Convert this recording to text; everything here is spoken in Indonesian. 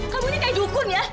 kamu ini kayak jukun ya